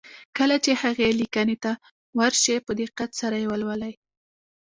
کله چې هغې ليکنې ته ور شئ په دقت سره يې ولولئ.